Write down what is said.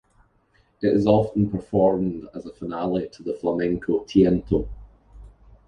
It is often performed as a finale to a flamenco tiento.